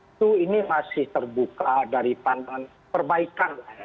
itu ini masih terbuka dari pandangan perbaikan